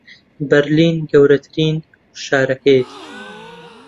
بەرلین گەورەترین شارەکەیەتی